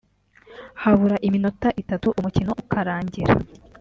Habura iminota itatu umukino ukarangira